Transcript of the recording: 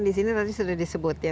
disini tadi sudah disebut ya